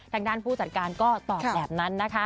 ทางด้านผู้จัดการก็ตอบแบบนั้นนะคะ